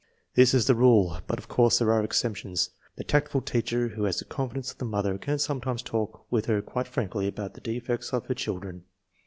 This is the rule, but of course there are exceptions. The tactful teacher who has the confidence of the mother can sometimes talk with her quite frankly about the defects of her chil dren.